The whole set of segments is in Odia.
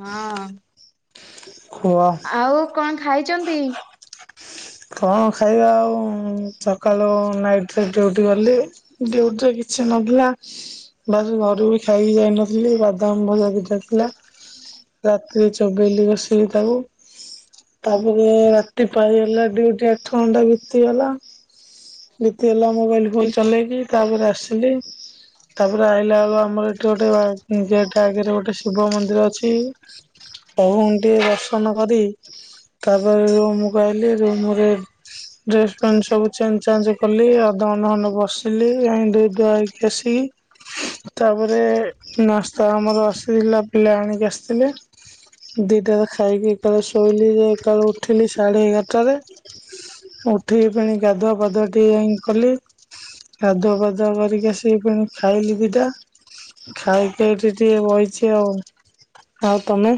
ହଁ। ଖୁଆ ଆଉ କଣ ଖାଇଛନ୍ତି? କଣ ଖାଇବା ଆଉ, ସକାଳୁ ନାଇଟ୍ ରେ ଡ୍ୟୁଟି ଗଲି। ଡ୍ୟୁଟି ରେ କିଛି ନହେଲା ବାସ୍ ଘରୁ ବି ଖାଇକି ଯାଇ ନଥିଲି ବାଦାମ ଭଜା ବି ଖାଇଥିଲା। ରାତିରେ ଚବେଇଲି ବସିକି ତାକୁ। ତାପରେ ରାତି ପାଇଗଲା ଡ୍ୟୁଟି ଆଠ ଘଣ୍ଟା ବିତିଗଲା। ବିତିଗଲା ମୋବାଇଲ୍ ଫୁଲ୍ ଚଲେଇକି ତାପରେ ଆସିଲି। ତାପରେ ଆଇିଲାଆଳୁ ଆମର ଏଠି ଗୋଟେ, ଗେଟ୍ ଆଗରେ ଗୋଟେ ଶିବ ମନ୍ଦିର ଅଛି। ପ୍ରଭୁଙ୍କୁ ଟିକେ ଦର୍ଶନ କରି ତାପରେ ରୁମ୍ କୁ ଆଇଲି ରୁମ୍ ରେ ଡ୍ରେସ୍ ପେଣ୍ଟ ସବୁ ଚେଞ୍ଜ ଚେଞ୍ଜ କଲି। ଅଧ ଘଣ୍ଟେ ଖଣ୍ଡେ ବସିଲି। ଯାଇ ଧୋଇ ଧୂଆ ହେଇକି ଆସିକି ତାପରେ ନାସ୍ତା ଆମର ଆସିଥିଲା ପିଲା ଆଣିକି ଆସିଥିଲେ। ଦୁଇଟାରେ ଖାଇକି ଏକାବେଳେ ଶୋଇଲି ଯେ ଏକାଳଳେ ଉଠିଲି ସାଢ଼େ ଏଗାରଟାରେ। ଉଠିକି ଫେଣି ଗାଧୁଆ ପାଦୁଆ ଟେ କଲି। ଆାଧୁଆ ପାଦୁଆ କରିକି ଆସିକି ପୁଣି ଖାଇଲି ଦିଟା। ଖାଇକି ଏଠି ଟିକେ ବଇଚି ଆଉ। ଆଉ ତମେ?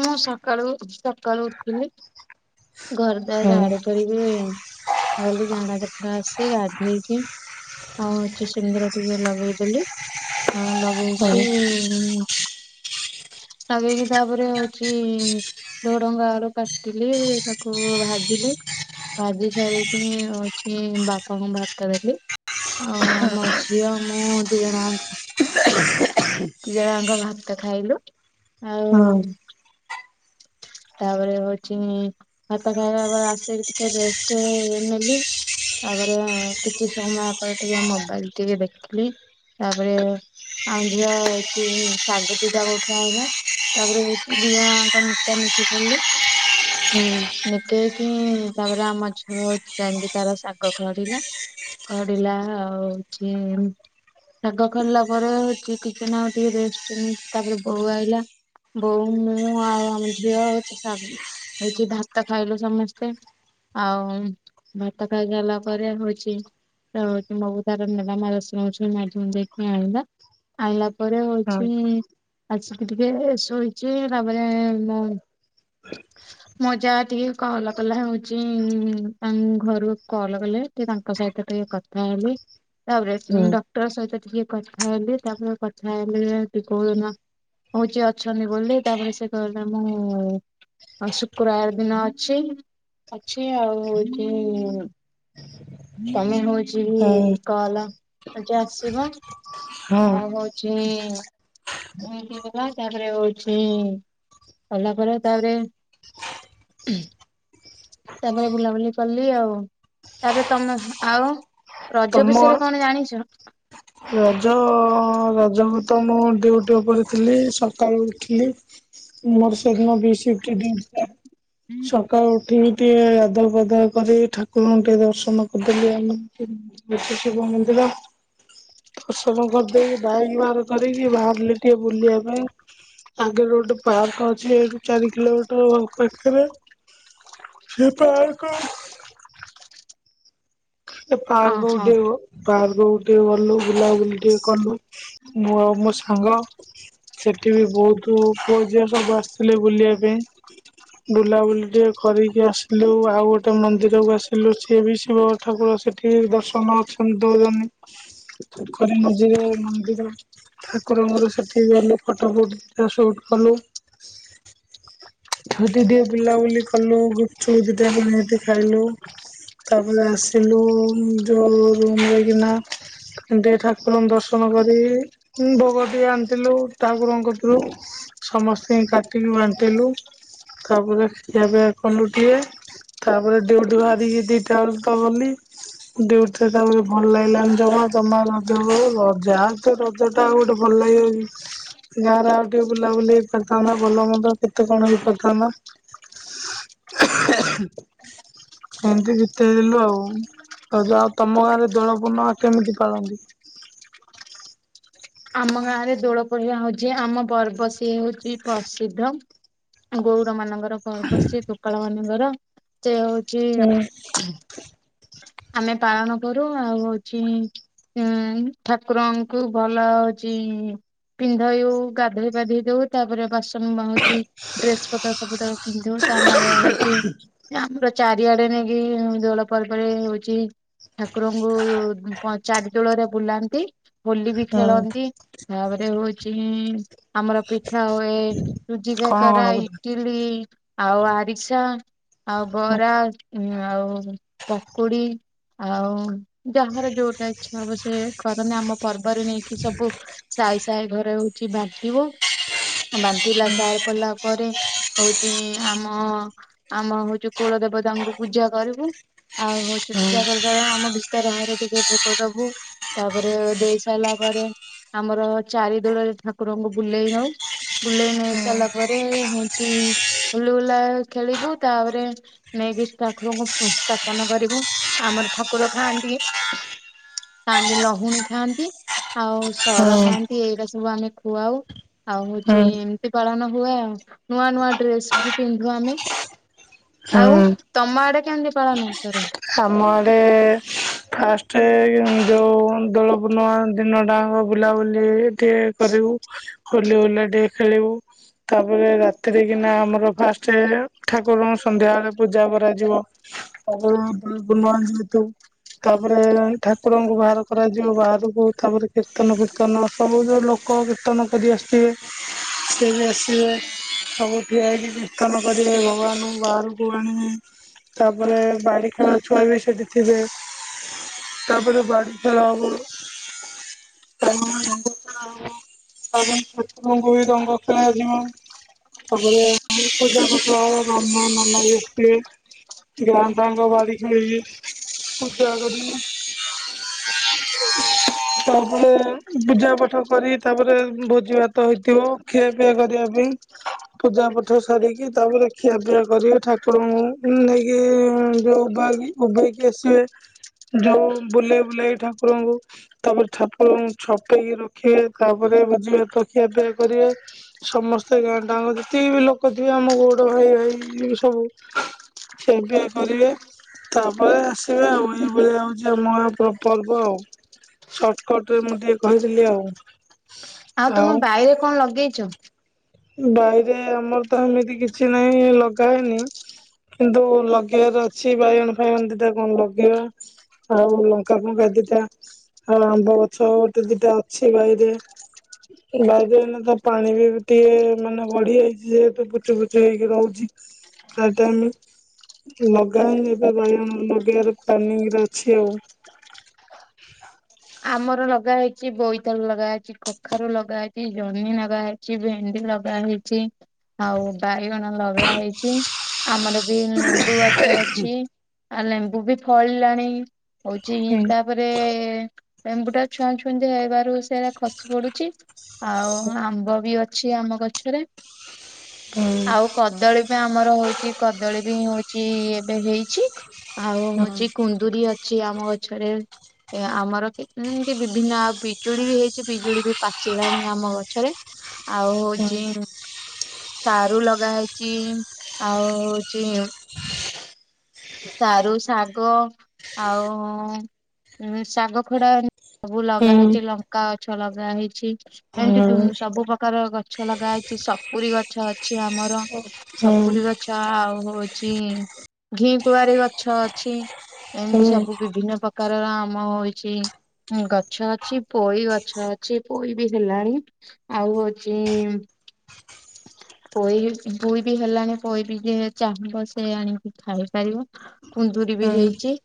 ମୁଁ ସକାଳୁ ସକାଳୁ ଉଠିଲି ଘର ହୁଁ ଦ୍ୱାର ଝାଡୁ କରିବି। ଗଲି ଝାଡ଼ା ଜାପାଡ ଆସି ଗାଧେଇକି ହଉଛି ସୁନ୍ଦର ଟିକେ ଲଗେଇଦେଲି, ଆଉ ହୁଁ ବେଶୀ ଲଗେଇକି ତାପରେ ହଉ ଏଠି ଝୁଡଙ୍ଗ ଆଳୁ କାଟିଲି ତାକୁ ଭାଜିଲି। ଭାଜି ସାରିକି ଅଛି ବାପାଙ୍କୁ ଭାତ ଦେଲି ଆଉ ଆମ ଝିଅ ମୁଁ ଦି ଜଣଙ୍କ ଦି ଜଣଙ୍କ ଯାକ ଭାତ ଖାଇଲୁ। ଆଉ ହୁଁ ତାପରେ ହଉଛି ଭାତ ଖାଇବା ପରେ ଆସିକି ଟିକେ ରେଷ୍ଟ ନେଲି। ତାପରେ କିଛି ସମୟ ପରେ ଟିକେ ମୋବାଇଲ୍ ଟିକେ ଦେଖିଲି। ତାପରେ ଆଉ ଝିଅ ହଉଛି ଶାଗ ଦିଟା କୋଉଠୁ ଆଣିଲା, ତାପରେ ହଉଛି ଦିଅ କଣ ନିକା ନୁକି କଲୁ। ହୁଁ। ନିକେଇକି ତାପରେ ଆମ ଝିଅ ହଉଛି ଯାଇଙ୍ଗି ତାର ଶାଗ ଖରିଲା। ଖଢିଲା ଆଉ ହୋଉଛି ଶାଗ ଖରିଲା ପରେ ଟିକେ ନାଉ ଟିକେ ରେଷ୍ଟ ତାପରେ ବୋଉ ଆଇଲା। ବୋଉ ମୁଁ ଆଉ ଆମ ଝିଅ ହଉଛି ସାଙ୍ଗ ହଉଛି ଭାତ ଖାଇଲୁ ସମସ୍ତେ। ଆଉ ଭାତ ଖାଇସାରିଲା ପରେ ହୋଉଛି [unintelligible] ମାଗି ମୁଗୀକି ଆଇଲା। ଆଣିଲା ପରେ ହଁ ହଉଛି, ଆସିକି ଟିକେ ଶୋଇଛି। ତାପରେ ମମ୍। ମୋ ଯା ଟିକେ କଲ କଲା ହଉଛି ତା ଘରୁ କଲ କଲେ ଟିକେ ତାଙ୍କ ସହିତ ଟିକେ କଥ ତାହାଲେ। ତାପରେ ହୁଁ ଡକ୍ଟର ସହିତ ଟିକେ କଥା ହେଲି ତାପରେ କଥା ହେଲେ ଟି କଉ ଦିନ ହଉଯିଏ ଅଛନ୍ତି ବୋଲି ତାପରେ ସେ କହିଲେ ମୁଁ ଶୁକ୍ରବାର ଦିନ ଅଛି ଅଛି ଆଉ ହଉଛି ତମେ ହଉଚି ହୁଁ କଲ ଆଜି ଆସିବ ହଁ ଆଉ ହଉଛି ଏମିତ କଥା ତାପରେ ହଉଛି ସରିଲା ପରେ ତାପରେ ତାପରେ ବୁଲାବୁଲି କଲି ଆଉ ତାପରେ ତମେ ଆଉ ରଜ ତମ ବିଷୟରେ କଣ ଜାଣିଛ ରଜ ରଜକୁ ତ ମୁଁ ଡିଉଟି ଉପରେ ଥିଲି ସକାଳୁ ଉଠିଲି ମୋର ସେଦିନ ବି ସିଫ୍ଟ ଡିଉଟି ଥିଲା ସକାଳୁ ଉଠି ଟିକେ ଅଦଳ ବଦଳ କରି ଠାକୁରଙ୍କୁ ଟିକେ ଦର୍ଶନ କରିଦେଲି ଆମେ ଟି ନୀତି ଶିବ ମନ୍ଦିର। ଦର୍ସନ କରିଦେଇ ବାଇକ ବାହାର କରିକି ବାହାରିଲି ଟିକେ ବୁଲିବା ପାଇଁ। ଆଗରେ ଗୋଟେ ପାର୍କ ଅଛି ଏଇଠୁ ଚାରି କିଲୋମିଟର ପାଖରେ। ସେ ପାର୍କ ପାର୍କ ଓହୋ ଗୋଟେ ପାର୍କକୁ ଟିକେ ଗଲୁ ବୁଲାବୁଲି ଟିକେ କଲୁ ମୁଁ ଆଉ ମୋ ସାଙ୍ଗ। ସେଠି ବି ବହୁତ ପୁଅ ଝିଅ ସବୁ ଆସିଥିଲେ ବୁଲିବା ପାଇଁ। ବୁଲାବୁଲି ଟିକେ କରିକି ଆସିଲୁ ଆଉ ଗୋଟେ ମନ୍ଦିରକୁ ଆସିଲୁ ସିଏ ଵି ଶିବ। ଠାକୁର ସେଠି ଦର୍ଶନ ଅଛନ୍ତି ଦଉଚନ୍ତି। ପୋଖରୀ ମଝିରେ ମନ୍ଦିର ଠାକୁରଙ୍କର ସେଠିକି ଗଲୁ ଫଟୋ ଫୁଟ ଦି ଟା ସୁଟ୍ କଲୁ। ସେଟି ଟିକେ ବୁଲାବୁଲି କଲୁ ଗୁପଚୁପ ଦିଟା ନିହାତି ଖାଇଲୁ। ତାପରେ ଆସିଲୁ ଯୋ ରୁମ ରେକିନା। ପୁଣି ଟିକେ ଠାକୁରଙ୍କ ଦର୍ଶନ କରି ହୁଁ ଭୋଗ ଟିକେ ଆଣିଥିଲୁ ଠାକୁରଙ୍କ କତିରୁ ସମସ୍ତେ କାଟିକି ବାଣ୍ଟିଲୁ ତାପରେ ଖିଆ ପିଆ କଲୁ ଟିକେ- ତାପରେ ଡିଉଟି ବାହାରିକି ଦିଟା ବେଳୁକୁ ତ ଗଲି। ଡିଉଟିରେ ତା ପରେ ଭଲ ଲାଗିଲାନି ଜମା [unintelligible] ଯା ତୋ ରଜ ରଜଟା ଆଉ ଗୋଟେ ଭଲ ଲାଗିବକି। ଗାଁରେ ଆଉ ଟିକେ ବୁଲାବୁଲି ହେଇ ପାରିଥାନ୍ତା ଭଲ ମନ୍ଦ କେତେ କଣ ହେଇ ପାରିଥାନ୍ତା। ଏମିତି ବିତେଇଦେଲୁ ଆଉ। ରଜ ଆଉ ତମ ଗାଁରେ ଦୋଳପୂର୍ଣ୍ଣମା କେମିତି ପାଳନ୍ତି? ଆମ ଗାଁ ରେ ଦୋଳ ପୂର୍ଣ୍ଣିମା ହଉଛି ଆମ ପର୍ବ ସିଏ ହଉଛି ପ୍ରସିଦ୍ଧ। ଗଉଡ଼ ମାନଙ୍କର ପର୍ବ ସେ ଗୋପାଳ ମାନଙ୍କର ସେ ହଉଛି ହୁଁ ଆମେ ପାଳନ କରୁ ଆଉ ହଉଛି ଉୁଁ ଠାକୁରଙ୍କୁ ଭଲ ହଉଛି ପିନ୍ଧଉ ଗାଧୋଇ ପାଧେଇ ଦଉ ତାପରେ ବାସ୍ ହଉଛି ଡ୍ରେସ ପତ୍ର ସବୁ ତା ପିନ୍ଧୁ ତାମରେ ହଉଛି ଆମର ଚାରିଆଡେ ନେଇକି ଦୋଳ ପର୍ବରେ ହଉଛି ଠାକୁରଙ୍କୁ ଚାରି ତୋଳରେ ବୁଲାନ୍ତି। ହୋଲି ବି ହୁଁ ଖେଳନ୍ତି ତାପରେ ହଉଛି ଆମର ପିଠା ହୁଏ ସୁୁଜି କଣ କଣ କାକର ହୁଁ ଇ ଇଟିଲି ଆଉ ଆରିସା ଆଉ ବରା ଆଉ ପକୁଡି ଆଉ ଯାହାର ଯୋଉଟା ଇଚ୍ଛା ହବ ସେ କରନ୍ତି ଆମ ପର୍ବରେ ନେଇକି ସବୁ ସାଇ ସାଇ ଘରେ ହଉଛି ବାଣ୍ଟିବ। ବାଣ୍ଟିଲା ସାର ପଲା ପରେ ହଉଛି ଆମ ଆମ ହଉଛି କୁଳ ଦେବତାଙ୍କୁ ପୂଜା କରିବୁ ଆଉ ହଉଛି ହୁଁ ପୂଜା କର ତେଳେ ଆମ ଭିତର ଘରେ ଟିକେ ଭୋକ ଦବୁ ତାପରେ ଦେଇ ସାରିଲା ପରେ ଆମର ଚାରି ଦୋଳରେ ଠାକୁରଙ୍କୁ ବୁଲେଇ ନଉ। ବୁଲେଇ ନେଇ ସାରିଲା ପରେ ହଉଛି ହୁଲିହୁଲା ଖେଳିବୁ ତାପରେ ନେଇକି ଠାକୁରଙ୍କୁ ପୂଜ ସ୍ଥାପନ କରିବୁ ଆମର ଠାକୁର ଖାଆନ୍ତି ପାନ୍ତି ଲହୁଣୀ ଖାଆନ୍ତି। ଆଉ ସର ଖାଆନ୍ତି ଏଇଟା ସବୁ ଆମେ ଖୁଆଉ ଆଉ ହୁଁ ହଉଛି ଏ ପାଳନ ହୁଏ ଆଉ ନୂଆ ନୂଆ ଡ୍ରେସ ବି ପିନ୍ଧୁ ଆମେ ଆଉ ହୁଁ। ତମ ଆଡେ କେମିତି ପାଳନ କରନ୍ତି? ଆମଆଡେ ଏ ଫାଷ୍ଟ ଯଉ ଦୋଳ ପୂର୍ଣ୍ଣିମା ଦିନଟାଆଙ୍କ ବୁଲାବୁଲି ଟେ କରିବୁ ହୋଲି ହୁଲା ଟିକେ ଖେଳିବୁ। ତାପରେ ରାତିରେ କିନା ଆମର ଫାଷ୍ଟ ଠାକୁରଙ୍କୁ ସନ୍ଧ୍ୟା ବେଳେ ପୂଜା କରାଯିବ। ଅ କୁଣ ଯେହେତୁ [unintelligible] ତାପରେ ଠାକୁରଙ୍କୁ ବାହାର କରାଯିବ ବାହାରକୁ ତାପରେ କୀର୍ତ୍ତନ ଫିର୍ତ୍ତନ ସବୁ ଜଉ ଲୋ ଲୋକ କୀର୍ତ୍ତନ କରି ଆସିଥିବେ ସିଏ ବି ଆସିବେ। ସବୁ ଠିଆ ହେଇକି କୀର୍ତ୍ତନ କରିବେ ଭଗବାନଙ୍କୁ ବାହାରକୁ ଆଣିବେ ତାପରେ ବାଡି ଛୁଆବି ସେଠି ଥିବେ ତାପରେ ବାଡି ଖେଳ ହବ। ହଁ [unintelligible] ତାପରେ ଠାକୁରଙ୍କୁ ବି ରଙ୍ଗ ଖେଳା ଜିବ। ତାପରେ ପୂଜାପାଠ ହବ ବାହାମୁଣ ନନା ବିଆସିବେ। ଗାଁ ଟାଆଙ୍କ ବାରି ଖେଳିକି ପୂଜା କରିବେ। ତାପରେ ପୂଜା ପାଠ କରିକି ତାପରେ ଭୋଜି ଭାତ ହେଇଥିବ। ଖୀଆ ପିଆ କରିବା ପାଇଁ। ପୂଜା ପାଠ ସାରିକି ତାପରେ ଖିଆପିଆ କରିବେ ଠାକୁରଙ୍କୁ ନେଇକି ଯୋଉ ଉଭାକି ଉଭେଇକି ଆସିବେ ଯଉ ବୁଲେଇ ବୁଲାକି ଠାକୁରଙ୍କୁ ତାପରେ ଛାପ ଛପେଇକି ରଖିବେ ତାପରେ ଭୁଜି ଭାତ ଖିଆ ପିଆ କରିବେ। ସମସ୍ତେ ଗାଁଟାଆଙ୍କ ଯେତିକିବି ଲୋକ ଥିବେ ଆମ ଗଉଡ ଭାଇ ଭାଇ ସବୁ ଖିଆପିଆ କରିବେ। ତାପରେ ଆସିବେ ଆଉ ଏଇଭଳିଆ ହଉଛି ଆମ ଗାଁ ପର୍ବ ଆଉ। ସଟକଟରେ ମୁଁ ଟିକେ କହିଦେଲି ଆଉ। ଆଉ ତୁମ ବାଇରେ କଣ ଲଗେଇଛ? ବାଇରେ ଆମର ତ ହେମିତି କିଛି ନାହିଁ ଲଗାହେଇନି କିନ୍ତୁ ଲଗେଇବାର ଅଛି ବାଇଗଣ ଫାଇଗଣ ଦିଟା କଣ ଲଗେଇବା ଆଉ ଲଙ୍କା ଫଙ୍କା ଦିଟା ଆଉ ଆମ୍ବ ଗଛ ଗୋଟେ ଦିଟା ଅଛି ବାଇରେ। ବାଇରେ ଏଇନାତ ପାଣି ବି ଏତେ ମାନେ ବଢି ଯାଇଛି ଯେହେତୁ ପୁଚୁ ପୁଚୁ ହେଇକି ରହୁଛି ସେଟା ଆମେ ଲଗାଅନି, ଏବେ ବାଇୟଣ ଲଗେଇବାର ପ୍ଲାନିଙ୍ଗରେ ଅଛି ଆଉ। ଆମର ଲଗା ହେଇଛି, ବୋଇତାଳୁ ଲଗା ହେଇଛି, କଖାରୁ ଲଗା ହେଇଛି, ଜହ୍ନି ନଗା ହେଇ ଚି ଭେଣ୍ଡି ଲଗା ହେଇଚିଁ ଆଉ, ବାଇଗଣ ଲଗା ହେଇଛି। ଆମର ବି ଲେମ୍ ମ୍ବୁ ଗଛ ଅଛି, ଆଉ ଲେମ୍ବୁ ବି ଫଳିଲାଣି। ହଉଚିଁ ହୁଁ ତା ତା'ପରେ ଏମ୍ବୁଟା ଛୁଆଁ ଛୁଁତି ହେବାରୁ ସେରା ଖସି ପଡୁଛି। ଆଉ, ଆମ୍ବ ବି ଅଛି, ଆମ ଗଛରେ। ହୁଁ। ଆଉ କଦଳୀ ବିଁ ଆମର ହଉଛି, କଦଳୀ ବିଁ ହଉଛି, ଏବେ ହେଇଛି। ଆଉ ହୁଁ ହଉଛି, କୁନ୍ଦୁରି ଅଛି ଆମ ଗଛରେ ଆମର। ଏତେଦିନ୍ କେ ବିଭିନ୍ନ ଆଉ ପିଜୁଳି ବି ହେଇଛି, ପିଜୁଳି ବି ପାଚିଲାଣି ଆମ ଗଛରେ। ଆଉ ହଉଚିଁ ସାରୁ ଲଗା ହେଇଚିଁ। ଆଉ ହଉଚିଁ ସାରୁ, ଶାଗ, ଆଉ-ଉଁ ଶାଗ ଖଡା ସବୁ ଲଗା ହେଇଛି, ଲଙ୍କା ଗଛ ଲଗା ହେଇଛି, ଏମିତି ଦୁନ୍ ସବୁ ପ୍ରକାର ଗ୍ ଛ ଲଗା ହେଇଛି, ସପୁରି ଗଛ ଅଛି ଆମର। ହୁଁ। ସପୁରୀ ଗଛ ଆଉ, ହଉଚିଁ ଘିଁ କୁଆଁରି ଗଛ ଅଛି। ଏମିତି ହଁ ସବୁ ବିଭିନ୍ନ ପ୍ରକାରର ଆମ ହଉଚିଁ। ଉଁ ଗଛ ଅଛି, ପୋଇ ଗଛ ଅଛି। ପୋଇ ବି ହେଲାଣି। ଆଉ ହଉଚିଁ-ଇଁମ୍ ପୋଇ, ପୁଇ ବି ହେଲାଣି, ପୋଇ ବି ଯିଏ ଚାହିଁବ, ସେ ଆଣିକି ଖାଇବ। ପାରିବ। କୁନ୍ଦୁରି ବି ହେଇଚି।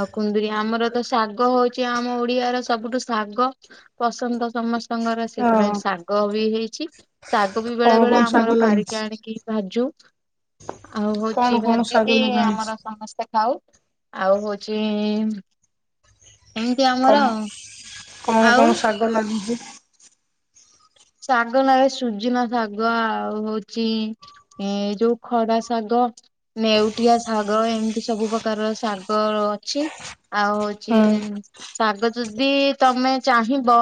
ଆଉ କୁନ୍ଦରି, ଆମର ତ ଶାଗ ହଉଛି, ଆମ ଓଡିଆ ର ସବୁଠୁ ଶାଗ ପସନ୍ଦ ସମସ୍ତଙ୍କର। ସେଇଥିପାଇଁ ଶାଗ ବି ହେଇଛି। ଶାଗ ବି ବେଳେ କଣ ବେଳେ କଣ ଆମର ଶାଗ ଲାଗିଛି? ପାରିକି ଆଣିକି ଭାଜୁ। ଆଉ କଣ ହଉଚି, କଣ ଶାଗ ଭାଜିିକ ଲଗା ହେଇଛି? ଆମର ସମସ୍ତେ ଖାଉ। ଆଉ ହଉଚିଁ-ଇଁ ଏମିତି କଣ ଆମର ଆଉଁ। କଣ କଣ ଶାଗ ଲାଗୁଚି? ଶାଗ ନା, ଏ ସୁଜୁନା ଶାଗ ଆଉ ହଉଚିଁ ଏଁ, ଯୋଉ ଖଡା ଶାଗ ନେଉଟିଆ ଶାଗ, ଏମିତି ସବୁ ପ୍ରକାରର ଶାଗ ଅଛି। ଆଉ ହୁଁ। ହଉଚି-ଇଁ ଶାଗ ଯଦି ତମେ ଚାହିଁବ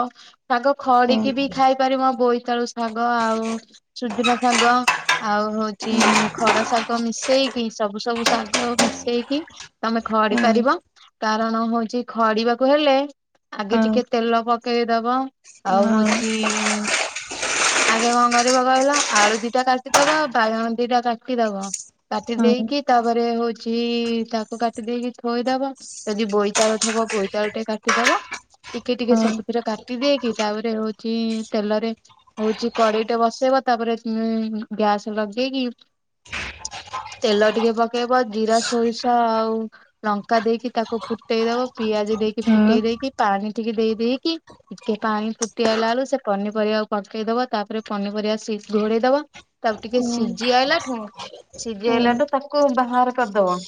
ଶାଗ ଖଅଡିକି ବି ଖାଇପାରିବ, ବୋଇତାଳୁ ଶାଗ, ଆଉ ସୁଜନା ଶାଗଁ। ଆଉ ହଉଚିଁ ଖଡା ଶାଗ ମିଶେଇକି, ସବୁ ସବୁ ଶାଗ ମିଶେଇକି। ତମେ ଖଅଡି ପାରିବ। କାରଣ ହଉଛି ଖଡିବାକୁ ହେଲେ ଆଗେ ଟିକେ ତେଲ ପକେଇଦବଁ। ଆଉ ହଉଚିଁ ଆଗେ କଣ କରିବ କହିଲ? ଆଳୁ ଦିଟା କାଟିଦବ, ବାଇଗଣ ଦିଟା କାଟିଦବ। କାଟି ଦେଇକି ତା'ପରେ ହଉଛି, ତାକୁ କାଟି ଦେଇକି ଥୋଇଦବ। ଯଦି ବୋଇତାଳୁ ଥବ, ବୋଇତାଳୁଟେ କାଟିଦବ। ଟିକେ ଟିକେ ସବୁଥିରେ କାଟିଦେଇକି, ତା'ପରେ ହଉଛି ତେଲରେ ହଉଚି କଡେଇଟେ ବସେଇବ, ତା'ପରେ ଇଁ ଗ୍ୟାସ୍ ଲଗେଇକି ତେଲ ଟିକେ ପକେଇବ, ଜିରା ସୋରିଷ ଆଉ ଲଙ୍କା ଦେଇକି ତାକୁ ଫୁଟେଇ ଦବ, ପିଆଜ ଦେଇକି ଫୁଟେଇ ଦେଇକି, ପାଣି ଟିକେ ଦେଇ, ଦେଇକି ଟିକେ ପାଣି ଫୁଟି ଆଇଲା ଅଳୁ, ସେ ପନିପରିବାକୁ ପକେଇ ଦବ। ତା'ପରେ ପନିପରିବା ସି ଘୋଡେଇ ଦବ। ତା'ପରେ ଟିକେ ସିଝି ଆଇଲାଠୁଁ, ସିଝି ଆଇଲାଠୁ ତାକୁ ବାହାର କରିଦବଁ।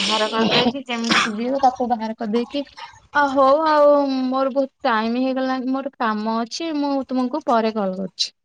ବାହାର କରିଦେଇକି ଯେମିତି ସିଝିବ, ତାକୁ ବାହାର କରିଦେଇକି ଅ ହଉ ଆଉ ମୋର ବହୁତ ଟାଇମ୍ ହେଇଗଲା ମୋର କାମ ଅ ଛି ମୁଁ ତୁମକୁ ପରେ କଲ କରୁଛି।